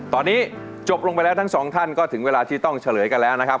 ตอนนี้จบลงไปแล้วทั้งสองท่านก็ถึงเวลาที่ต้องเฉลยกันแล้วนะครับ